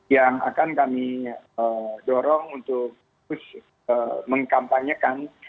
yang akan kami dorong untuk mengkampanyekan